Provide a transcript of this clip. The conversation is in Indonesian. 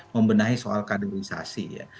membenahi soal kaderisasi ya